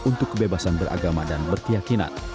untuk kebebasan beragama dan berkeyakinan